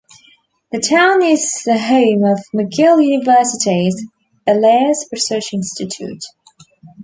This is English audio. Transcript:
The town is the home of McGill University's Bellairs Research Institute.